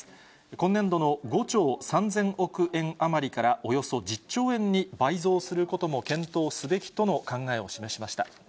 今年度の５兆３０００億円余りから、およそ１０兆円に倍増することも検討すべきとの考えを示しました。